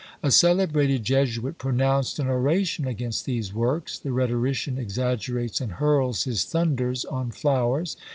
A celebrated Jesuit pronounced an oration against these works. The rhetorician exaggerates and hurls his thunders on flowers.